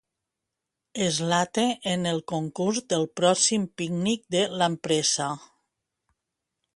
Slate en el concurs del pròxim pícnic de l'empresa.